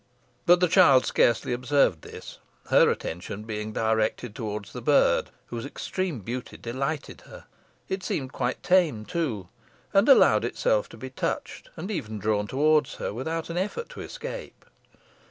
But the child scarcely observed this, her attention being directed towards the bird, whose extreme beauty delighted her. It seemed quite tame too, and allowed itself to be touched, and even drawn towards her, without an effort to escape.